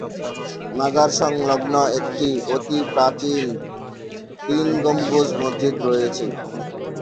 মাজার সংলগ্ন একটি অতি প্রাচীন তিন গম্বুজ মসজিদ রয়েছে।